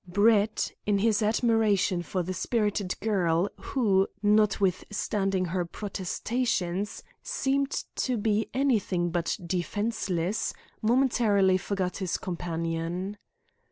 Brett, in his admiration for the spirited girl who, notwithstanding her protestations, seemed to be anything but "defenceless," momentarily forgot his companion.